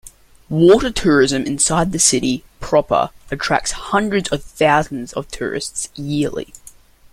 Water tourism inside the city proper attracts hundreds of thousands of tourists yearly.